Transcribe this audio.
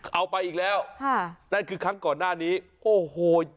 เอาไปอีกแล้วค่ะนั่นคือครั้งก่อนหน้านี้โอ้โห